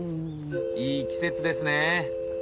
いい季節ですね。